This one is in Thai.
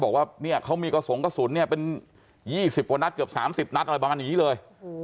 บอกว่าเนี่ยเขามีกระสงค์กระสุนเนี่ยเป็นยี่สิบกว่านัดเกือบสามสิบนัดอะไรแบบนั้นอย่างงี้เลย